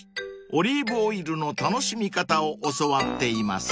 ［オリーブオイルの楽しみ方を教わっています］